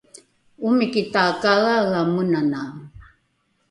omiki takaeaea menanae